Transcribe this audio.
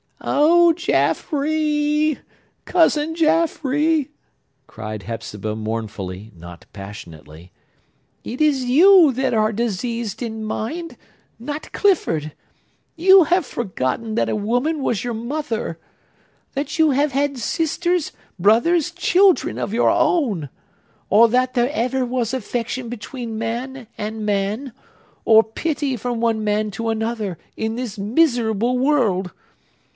"O Jaffrey,—Cousin Jaffrey," cried Hepzibah mournfully, not passionately, "it is you that are diseased in mind, not Clifford! You have forgotten that a woman was your mother!—that you have had sisters, brothers, children of your own!—or that there ever was affection between man and man, or pity from one man to another, in this miserable world!